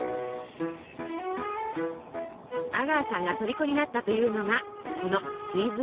阿川さんがとりこになったというのがこのチーズケーキ。